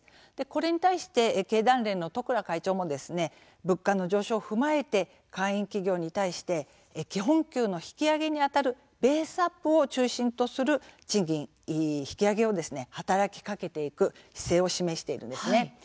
これに対して経団連の十倉会長も物価の上昇を踏まえて会員企業に対して基本給の引き上げにあたるベースアップを中心とする賃金引き上げを働きかけていく姿勢を示しているんですね。